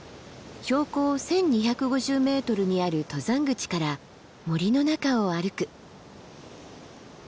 標高１，２５０ｍにある登山口から森の中を歩く。